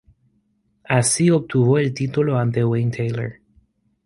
Así, obtuvo el título ante Wayne Taylor.